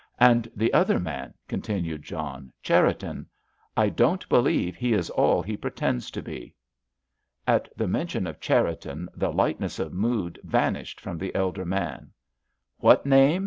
"And the other man," continued John, "Cherriton. I don't believe he is all he pretends to be." At the mention of Cherriton the lightness of mood vanished from the elder man. "What name?"